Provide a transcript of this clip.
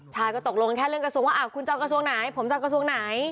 ใช่ก็ตกลงแค่เรื่องกระทรวงว่าคุณจะเอากระทรวงไหนผมจะเอากระทรวงไหน